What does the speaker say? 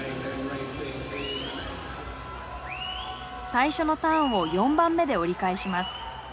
最初のターンを４番目で折り返します。